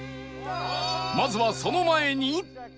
まずはその前に